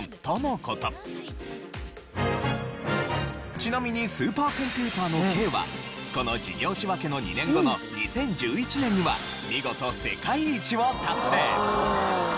ちなみにスーパーコンピューターの京はこの事業仕分けの２年後の２０１１年には見事世界一を達成。